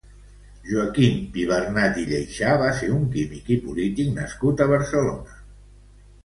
Joaquim Pibernat i Lleyxà va ser un químic i polític nascut a Barcelona.